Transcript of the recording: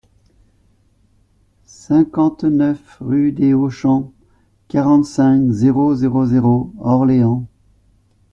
cinquante-neuf rue des Hauts-Champs, quarante-cinq, zéro zéro zéro, Orléans